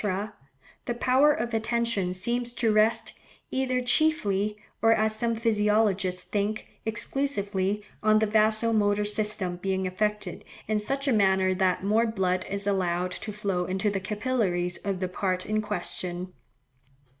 the power of attention seems to rest, either chiefly, or as some physiologists think, exclusively, on the vaso motor system being affected in such a manner that more blood is allowed to flow into the capillaries of the part in question.